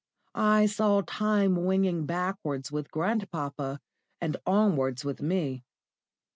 I saw Time winging backwards with grandpapa and onwards with me.